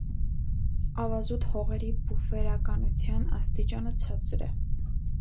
Ավազուտ հողերի բուֆերականության աստիճանը ցածր է։